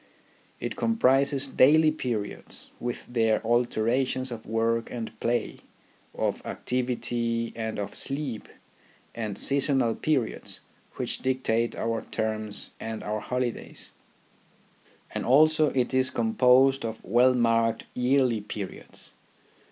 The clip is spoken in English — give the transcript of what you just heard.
It comprises daily ' periods, with their alternations of work and play, of activity and of sleep, and seasonal periods, which dictate our terms and our holidays ; and also it is composed of well marked yearly periods.